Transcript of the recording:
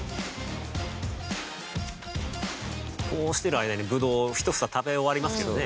こうしてる間にぶどう１房食べ終わりますけどね。